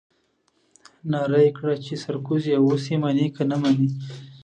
نعره يې کړه چې سرکوزيه اوس يې منې که نه منې.